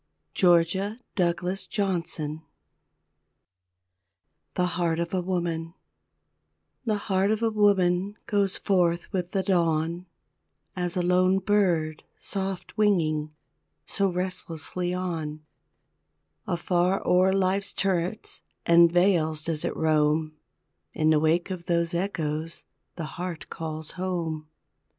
Georgia Douglas Johnson THE HEART OF A WOMAN The heart of a woman goes forth with the dawn, As a lone bird, soft winging, so restlessly on, Afar o'er life's turrets and vales does it roam In the wake of those echoes the heart calls home.